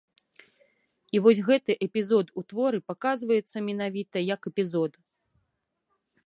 І вось гэты эпізод у творы паказваецца менавіта як эпізод.